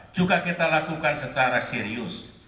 juga kita lakukan secara serius